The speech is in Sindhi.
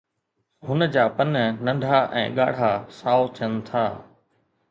هن جا پن ننڍا ۽ ڳاڙها سائو ٿين ٿا